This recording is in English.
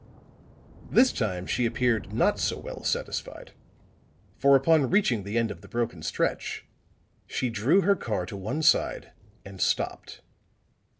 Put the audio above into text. This time she appeared not so well satisfied, for upon reaching the end of the broken stretch, she drew her car to one side and stopped.